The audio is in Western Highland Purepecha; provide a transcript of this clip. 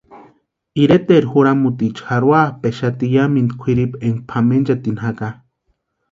Iretaeri juramutiicha jarhuapʼexati yamintu kwʼirupuni énka pʼamenchatini jaka.